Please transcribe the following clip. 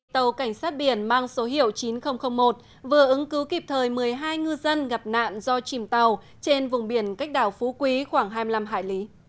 tàu cảnh sát biển mang số hiệu chín nghìn một vừa ứng cứu kịp thời một mươi hai ngư dân gặp nạn do chìm tàu trên vùng biển cách đảo phú quý khoảng hai mươi năm hải lý